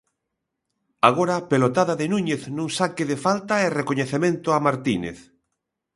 Agora pelotada de Núñez nun saque de falta e recoñecemento a Martínez.